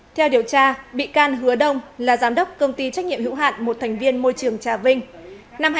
theo điều tra bị can hứa đông là giám đốc công ty trách nhiệm hữu hạn một thành viên môi trường trà vinh